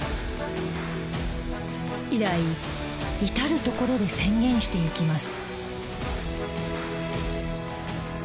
以来至る所で宣言していきます。